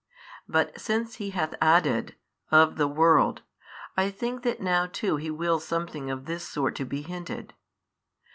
But since He hath added, Of the world, I think that now too He wills something of this sort to be hinted.